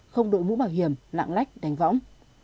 không đội mũ bảo hiểm lạng nách đánh võng